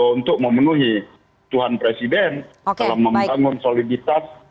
untuk memenuhi tuhan presiden dalam membangun soliditas